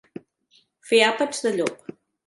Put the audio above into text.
Fer àpats de llop.